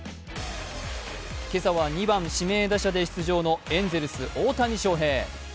今朝は２番・指名打者で出場のエンゼルス・大谷翔平。